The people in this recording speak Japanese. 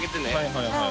はいはい。